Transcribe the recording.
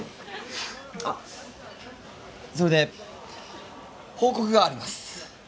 あっそれで報告があります。